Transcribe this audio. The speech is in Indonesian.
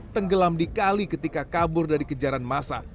tenggelam di kali ketika kabur dari kejaran massa